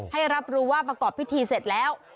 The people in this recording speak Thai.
ให้รับรู้ว่าประกอบพิธีเสร็จแล้ว